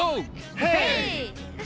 ヘイ！